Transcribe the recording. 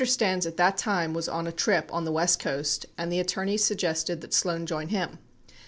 Stans at that time was on a trip on the west coast and the attorneys suggested that Sloan join him.